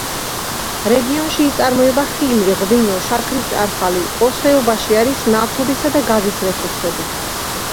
რეგიონში იწარმოება ხილი, ღვინო, შაქრის ჭარხალი, პოს ხეობაში არის ნავთობის და გაზის რესურსები.